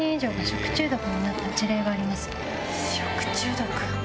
食中毒？